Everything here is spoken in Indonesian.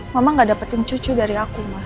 mama nggak dapetin cucu dari aku mah